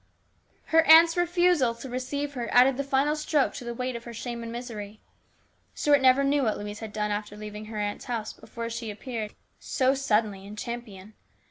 Her aunt's refusal to receive her added the final stroke to the weight of her shame and misery. Stuart never knew what Louise had done after leaving her aunt's house before she appeared so/ 800 HIS BROTHER'S KEEPER. unexpectedly in Champion.